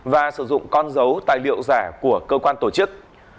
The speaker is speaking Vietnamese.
và sử dụng con dấu tài liệu giả của cơ quan tổ chức